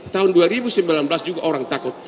tahun dua ribu sembilan belas juga orang takut